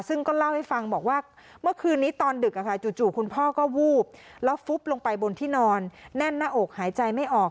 ซึ่งก็เล่าให้ฟังบอกว่าเมื่อคืนนี้ตอนดึกจู่คุณพ่อก็วูบแล้วฟุบลงไปบนที่นอนแน่นหน้าอกหายใจไม่ออก